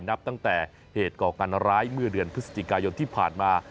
นับตั้งแต่เหตุก่อการร้ายเมื่อเดือนพฤศจิกายนที่ผ่านมา